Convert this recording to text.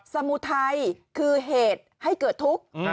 สมุทัยคือเหตุให้เกิดทุกข์